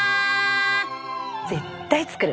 絶対作る。